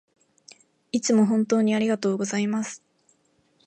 いつも本当にありがとうございます